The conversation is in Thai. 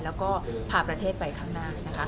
แล้วก็พาประเทศไปข้างหน้านะคะ